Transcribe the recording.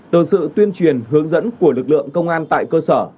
từ sự tuyên truyền hướng dẫn của lực lượng công an tại cơ sở